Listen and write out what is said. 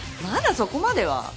まだそこまでは。